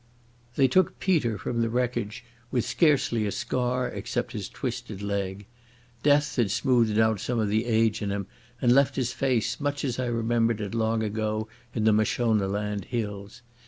They took Peter from the wreckage with scarcely a scar except his twisted leg. Death had smoothed out some of the age in him, and left his face much as I remembered it long ago in the Mashonaland hills.